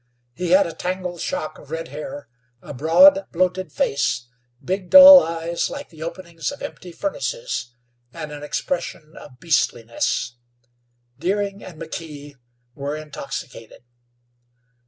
He had a tangled shock of red hair, a broad, bloated face; big, dull eyes, like the openings of empty furnaces, and an expression of beastliness. Deering and McKee were intoxicated.